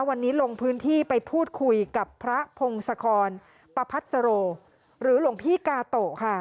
วันนี้ลงพื้นที่ไปพูดคุยกับพระพงศกรประพัสโรหรือหลวงพี่กาโตะค่ะ